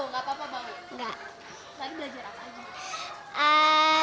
nggak tadi belajar apa aja